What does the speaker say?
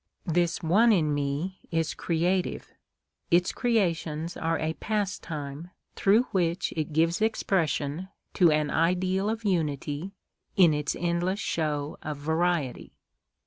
This One in me is creative. Its creations are a pastime, through which it gives expression to an ideal of unity in its endless show of variety.